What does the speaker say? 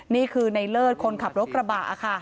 นี่คือในเลิศคนขับรถกระบะค่ะ